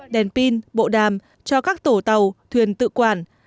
đèn pin bộ đàm cho các tổ tàu thuyền tự quản